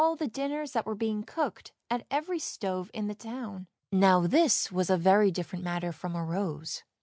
362 ANDERSEN'S FAIRY TALES dinners that were being cooked at every stove in the town. Now this was a very different matter from a rose.